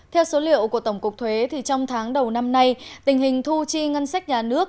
theo số liệu của tổng cục thuế trong tháng đầu năm nay tình hình thu chi ngân sách nhà nước